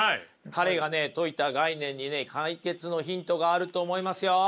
彼が説いた概念にね解決のヒントがあると思いますよ。